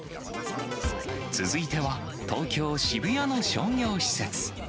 続いては、東京・渋谷の商業施設。